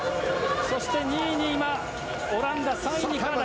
そして２位にオランダ３位にカナダ。